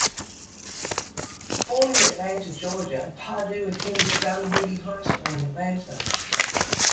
Born in Atlanta, Georgia, Pardue attended Dunwoody High School in Atlanta.